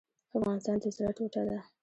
افغانستان د زړه ټوټه ده؟